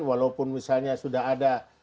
walaupun misalnya sudah ada